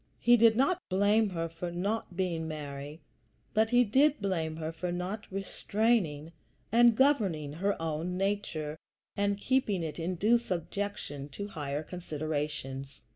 He did not blame her for not being Mary; but he did blame her for not restraining and governing her own nature and keeping it in due subjection to higher considerations.